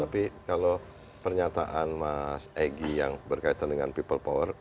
tapi kalau pernyataan mas egy yang berkaitan dengan people power